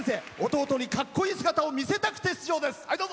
弟に、かっこいい姿を見せたくて出場です。